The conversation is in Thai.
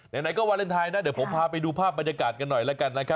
ไหนก็วาเลนไทยนะเดี๋ยวผมพาไปดูภาพบรรยากาศกันหน่อยแล้วกันนะครับ